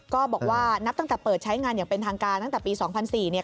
ก็บอกว่านับตั้งแต่เปิดใช้งานอย่างเป็นทางการตั้งแต่ปี๒๐๐๔เนี่ย